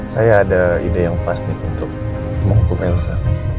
saya ada ide yang pas nih untuk mengutuk elsa